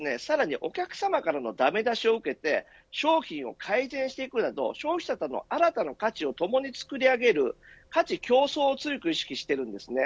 さらに、お客様からの駄目出しを受けて商品を改善していくなど商品の新たな価値を共に作り上げる価値共創を強く意識しているんです。